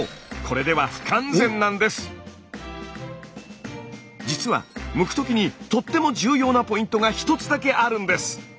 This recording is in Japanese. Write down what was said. でもじつはむく時にとっても重要なポイントが１つだけあるんです！